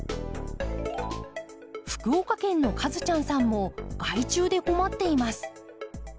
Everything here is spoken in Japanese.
福岡県のカズちゃんさんも害虫で困っています。